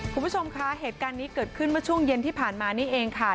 คุณผู้ชมคะเหตุการณ์นี้เกิดขึ้นเมื่อช่วงเย็นที่ผ่านมานี่เองค่ะ